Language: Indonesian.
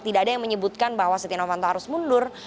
tidak ada yang menyebutkan bahwa setia novanto harus mundur